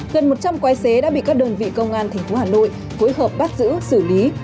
gần một trăm linh quái xế đã bị các đơn vị công an tp hà nội phối hợp bắt giữ xử lý